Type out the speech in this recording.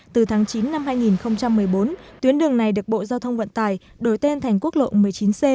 từ tháng chín năm hai nghìn một mươi bốn tuyến đường này được bộ giao thông vận tải đổi tên thành quốc lộ một mươi chín c